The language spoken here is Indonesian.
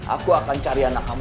aku akan cari anak kamu